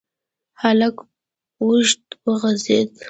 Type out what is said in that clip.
هلک اوږد وغځېد.